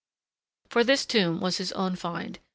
For this tomb was his own find.